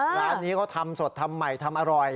ร้านนี้เขาทำสดทำใหม่ทำอร่อย